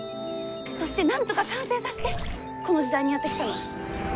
そしてなんとか完成させてこの時代にやって来たの。